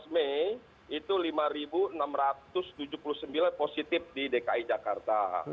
tujuh belas mei itu lima enam ratus tujuh puluh sembilan positif di dki jakarta